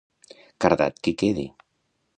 Cardat qui quedi.